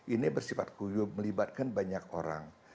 ini bersifat kuyuk melibatkan banyak orang